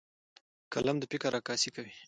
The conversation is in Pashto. قلم د فکر عکاسي کوي